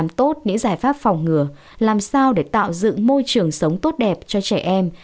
nếu chúng ta làm tốt những giải pháp phòng ngừa làm sao để tạo dựng môi trường sống tốt đẹp cho trẻ em